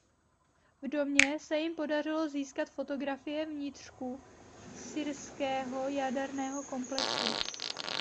V domě se jim podařilo získat fotografie vnitřku syrského jaderného komplexu.